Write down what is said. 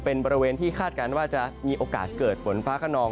เป็นบริเวณที่คาดการณ์ว่าจะมีโอกาสเกิดฝนฟ้าขนอง